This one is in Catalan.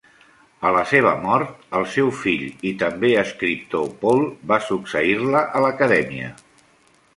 A la seva mort, el seu fill i també escriptor Paul va succeir-la a l'Acadèmia.